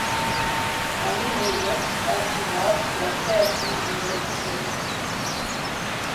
Un nouveau nom entraina la création d'une nouvelle signature.